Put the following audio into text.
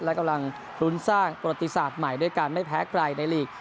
และกำลังรุ้นสร้างประติศาสตร์ใหม่ด้วยการไม่แพ้ใครในลีก